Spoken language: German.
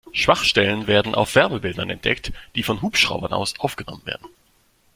Schwachstellen werden auf Wärmebildern entdeckt, die von Hubschraubern aus aufgenommen werden.